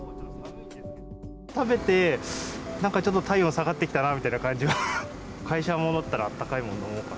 食べて、なんかちょっと体温下がってきたなみたいな感じで、会社戻ったら、あったかいもの飲もうかな。